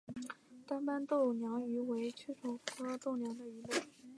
单斑豆娘鱼为雀鲷科豆娘鱼属的鱼类。